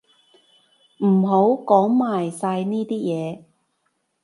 唔好講埋晒呢啲嘢